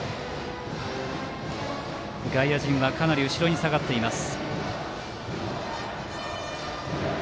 外野陣はかなり後ろに下がっています。